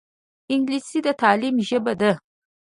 انګلیسي د تعلیم ژبه ده